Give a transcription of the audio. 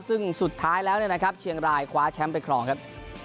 ซึ่งสุดท้ายแล้วเนี่ยนะครับเชียงรายคว้าแชมป์ไปครองครับ